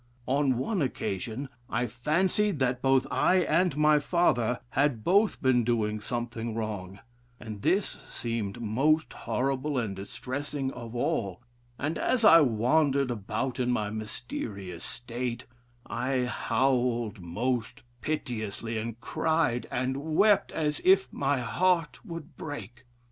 On one occasion I fancied that both I and my father had both been doing something wrong, and this seemed most horrible and distressing of all; and as I wandered about in my mysterious state, I howled most piteously, and cried and wept as if my heart would break.